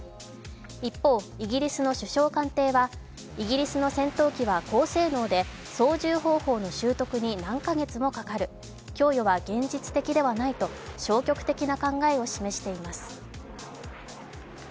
一方、イギリスの首相官邸はイギリスの戦闘機は高性能で操縦方法の習得に何か月もかかる、供与は現実的ではないと消極的な考えを示しています。